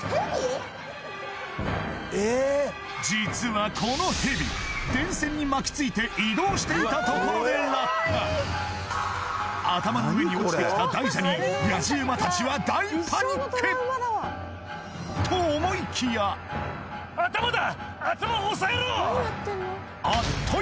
実はこのヘビ電線に巻きついて移動していたところで落下頭の上に落ちてきた大蛇に野次馬達は大パニックと思いきやあっと